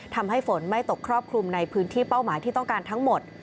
ทำให้ฝนไม่ตกครอบคลุมในพื้นที่เป้าหมายที่ต้องการทั้งหมด